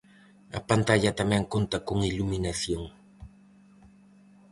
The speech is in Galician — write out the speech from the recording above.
A pantalla tamén conta con iluminación.